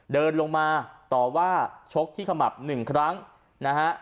เดินลงมาต่อว่าชกที่ขมับหนึ่งครั้งนะฮะ